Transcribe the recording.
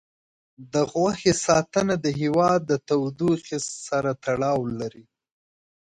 د غوښې ساتنه د هوا د تودوخې سره تړاو لري.